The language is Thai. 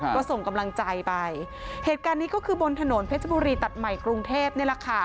ก็ส่งกำลังใจไปเหตุการณ์นี้ก็คือบนถนนเพชรบุรีตัดใหม่กรุงเทพนี่แหละค่ะ